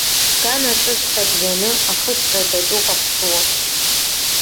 Сганаҿыҵәҟьа дианы, ахысра даҿуп аԥсыуак.